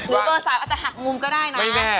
เบอร์๓อาจจะหักมุมก็ได้นะ